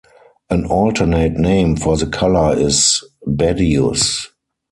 An alternate name for the color is badious.